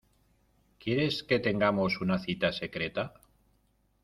¿ quieres que tengamos una cita secreta?